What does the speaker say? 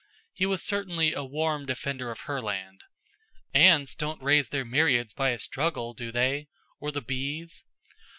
He was certainly a warm defender of Herland. "Ants don't raise their myriads by a struggle, do they? Or the bees?"